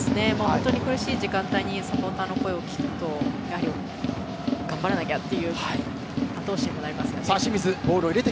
本当に苦しい時間帯にサポーターの声を聞くとやはり頑張らなきゃってあと押しにもなりますね。